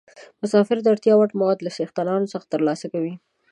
مسافر د اړتیا وړ مواد له څښتنانو څخه ترلاسه کوي.